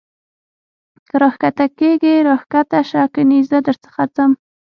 که را کښته کېږې را کښته سه کنې زه در څخه ځم.